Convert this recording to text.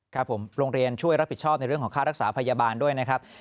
ครับผมโรงเรียนช่วยรับผิดชอบในเรื่องของค่ารักษาพยาบาลด้วยนะครับ